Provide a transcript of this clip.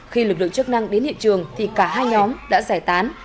khi lực lượng chức năng đến hiện trường thì cả hai nhóm đã giải tán